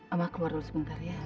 ama keluar dulu sebentar ya